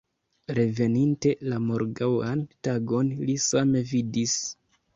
Reveninte la morgaŭan tagon li same vidis.